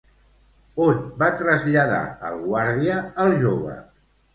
On va traslladar el guàrdia al jove?